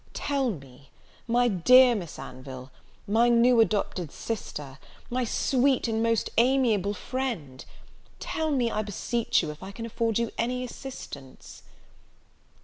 Tell me, my dear Miss Anville, my new adopted sister, my sweet and most amiable friend! tell me, I beseech you, if I can afford you any assistance?"